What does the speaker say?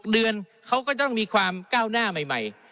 เดือนเขาก็ต้องมีความก้าวหน้าใหม่